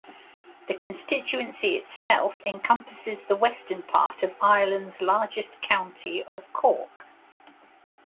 The constituency itself encompasses the western part of Ireland's largest county of Cork.